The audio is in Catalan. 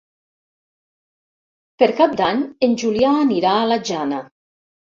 Per Cap d'Any en Julià anirà a la Jana.